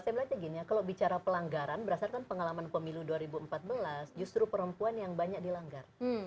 saya melihatnya gini ya kalau bicara pelanggaran berdasarkan pengalaman pemilu dua ribu empat belas justru perempuan yang banyak dilanggar